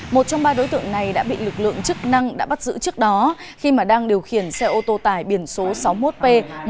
một trong ba đối tượng này đã bị lực lượng chức năng đã bắt giữ trước đó khi mà đang điều khiển xe ô tô tải biển số sáu mươi một p một nghìn chín trăm bảy mươi